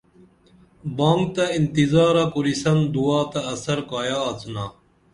بانگ تہ انتظارہ کُرِسن دعا تہ اثر کایہ آڅِنا